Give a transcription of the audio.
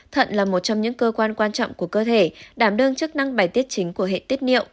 thận là một trong những cơ quan quan trọng của cơ thể đảm đương chức năng bài tiết chính của hệ tiết niệu